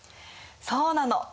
そうなの。